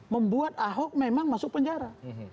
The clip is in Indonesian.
membuat ahok memang masuk penjara